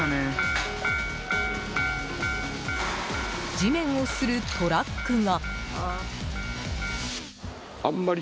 地面を擦るトラックが。